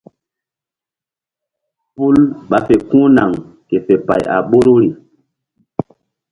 Pul ɓa fe ku̧h naŋ ke fe pay a ɓoruri.